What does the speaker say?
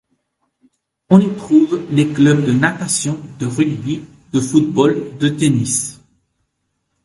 On y trouve les clubs de natation, de rugby, de football, de tennis...